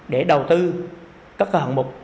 để đầu tư các hạng mục